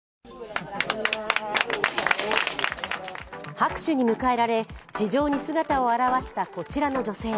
拍手に迎えられ地上に姿を現したこちらの女性。